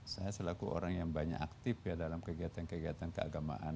saya selaku orang yang banyak aktif ya dalam kegiatan kegiatan keagamaan